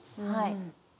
はい。